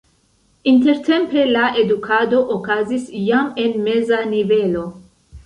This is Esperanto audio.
Intertempe la edukado okazis jam en meza nivelo.